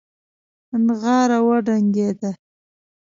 نغاره وډنګېده.